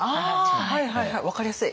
はいはいはい分かりやすい。